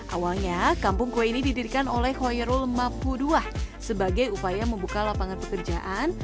awalnya kampung kue ini didirikan oleh hoyerul mabhuduah sebagai upaya membuka lapangan pekerjaan